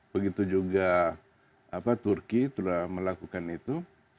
begitu juga turki telah melakukan itu